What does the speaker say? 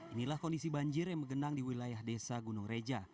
inilah kondisi banjir yang menggenang di wilayah desa gunung reja